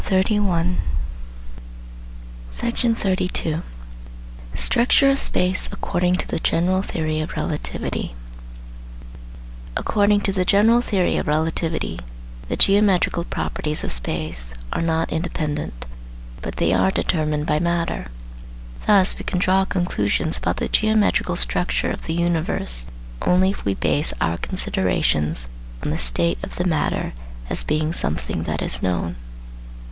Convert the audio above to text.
THE STRUCTURE OF SPACE ACCORDING TO THE GENERAL THEORY OF RELATIVITY According to the general theory of relativity, the geometrical properties of space are not independent, but they are determined by matter. Thus we can draw conclusions about the geometrical structure of the universe only if we base our considerations on the state of the matter as being something that is known.